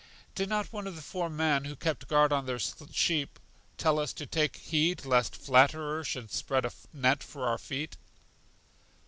Did not one of the four men who kept guard on their sheep tell us to take heed lest Flatterer should spread a net for out feet?